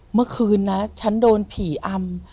เมื่อคืนนะฉันโดนผีอำ